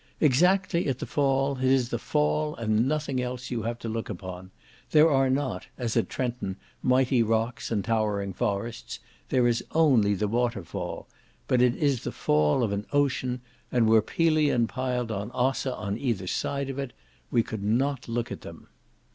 Exactly at the Fall, it is the Fall and nothing else you have to look upon; there are not, as at Trenton, mighty rocks and towering forests, there is only the waterfall; but it is the fall of an ocean, and were Pelion piled on Ossa on either side of it, we could not look at them.